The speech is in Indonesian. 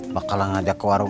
bakalan ngajak ke warung